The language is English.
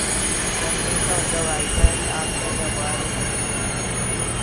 The fate of the vehicle after the war is unknown.